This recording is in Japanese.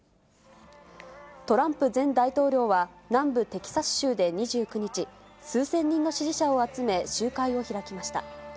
トランプ前大統領は、南部テキサス州で２９日、数千人の支持者を集め、集会を開きました。